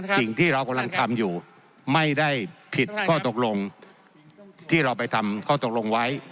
สิ่งที่เรากำลังทำอยู่ไม่ได้ผิดข้อตกลงที่เราไปทำข้อตกลงไว้